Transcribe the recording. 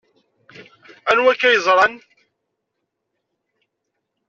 Anwa akka i yeẓran?